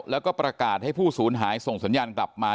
แล้วก็ประกาศให้ผู้สูญหายส่งสัญญาณกลับมา